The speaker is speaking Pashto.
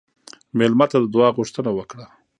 مېلمه ته د دعا غوښتنه وکړه.